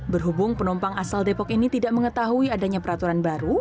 berhubung penumpang asal depok ini tidak mengetahui adanya peraturan baru